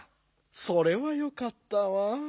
それはよかったわ。